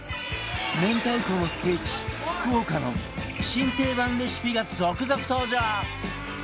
明太子の聖地福岡の新定番レシピが続々登場！